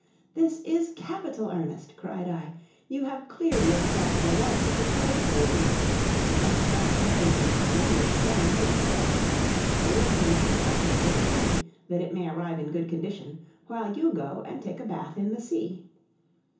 "This is capital, Ernest!" cried I; "you have cleared yourself for once of the charge of laziness! Let us now carry this splendid salmon to the sledge. I will clean and pack it for the journey, that it may arrive in good condition, while you go and take a bath in the sea."